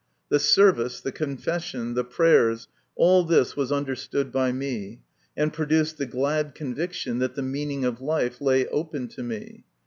The service, the confession, the prayers, all this was understood by me, and produced the glad conviction that the meaning of life lay open to me.